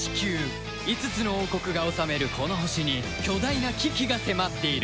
５つの王国が治めるこの星に巨大な危機が迫っている